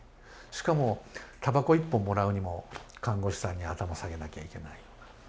しかもたばこ一本もらうにも看護師さんに頭下げなきゃいけない。